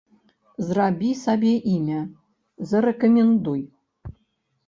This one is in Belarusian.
Зрабі сабе імя, зарэкамендуй!